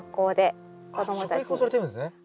食育もされてるんですね。